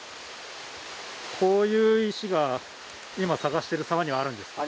こういう石が今、捜している沢にはあるんですか？